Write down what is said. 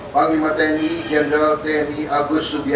panglima tni general tni agus subianto